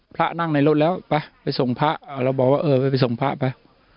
พระนั่งในรถแล้วไปไปส่งพระเราบอกว่าเออไปส่งพระไป